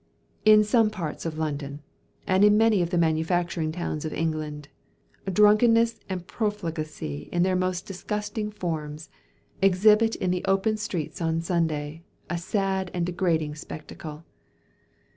In some parts of London, and in many of the manufacturing towns of England, drunkenness and profligacy in their most disgusting forms, exhibit in the open streets on Sunday, a sad and a degrading spectacle.